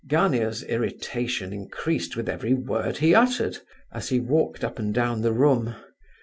Gania's irritation increased with every word he uttered, as he walked up and down the room.